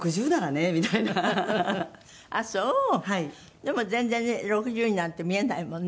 でも全然ね６０になんて見えないもんね。